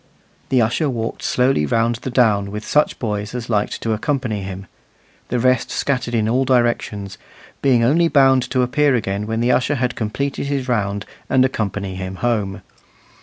The usher walked slowly round the down with such boys as liked to accompany him; the rest scattered in all directions, being only bound to appear again when the usher had completed his round, and accompany him home.